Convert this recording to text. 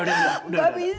udah neng udah nek